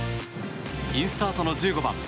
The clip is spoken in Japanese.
インスタートの１５番。